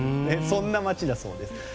そんな町だそうです。